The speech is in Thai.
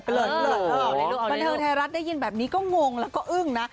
บันเทิงไทยรัฐเอาให้ได้ยินกันก็งงแล้วก็อึ้ง